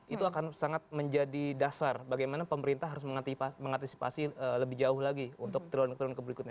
itu akan sangat menjadi dasar bagaimana pemerintah harus mengantisipasi lebih jauh lagi untuk triulang ke empat keberikutnya